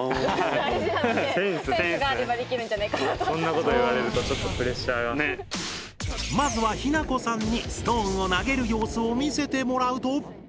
そんなこと言われるとまずはひなこさんにストーンを投げる様子を見せてもらうと。